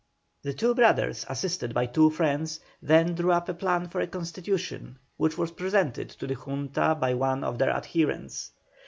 The two brothers, assisted by two friends, then drew up a plan for a constitution, which was presented to the Junta by one of their adherents.